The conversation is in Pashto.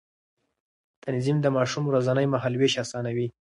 تنظيم د ماشوم ورځنی مهالوېش آسانوي.